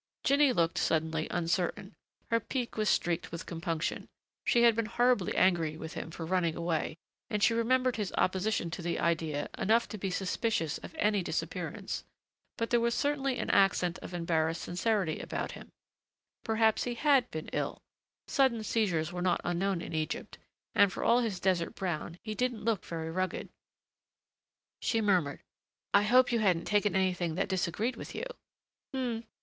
Jinny looked suddenly uncertain. Her pique was streaked with compunction. She had been horribly angry with him for running away, and she remembered his opposition to the idea enough to be suspicious of any disappearance but there was certainly an accent of embarrassed sincerity about him. Perhaps he had been ill. Sudden seizures were not unknown in Egypt. And for all his desert brown he didn't look very rugged. She murmured, "I hope you hadn't taken anything that disagreed with you."